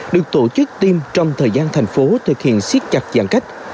được tổ chức tiêm trong thời gian thành phố thực hiện siết chặt giãn cách